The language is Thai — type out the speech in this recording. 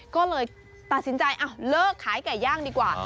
ก็เลยตัดสินใจเลิกขายไก่ย่างดีกว่า